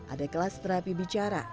ada kelas terapi bicara